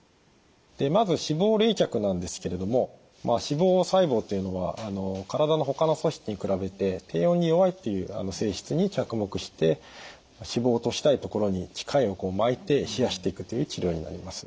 でまず脂肪冷却なんですけれども脂肪細胞というのは体のほかの組織に比べて低温に弱いっていう性質に着目して脂肪を落としたいところに機械を巻いて冷やしていくという治療になります。